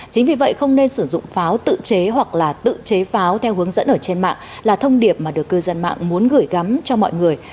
chính vì vậy không nên sử dụng pháo tự chế hoặc là tự chế pháo theo hướng dẫn ở trên mạng là thông điệp mà được cư dân mạng muốn gửi gắm cho mọi người